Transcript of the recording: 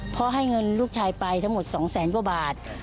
เพราะให้เงินลูกชายไปทั้งหมด๒แสนกว่าบาท